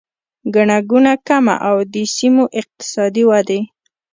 ګڼه ګوڼه کمه او د سیمو اقتصادي ودې